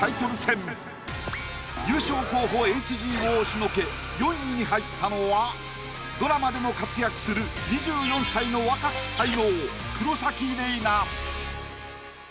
優勝候補ＨＧを押しのけ４位に入ったのはドラマでも活躍する２４歳の若き才能。